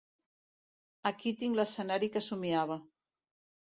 Aquí tinc l'escenari que somniava.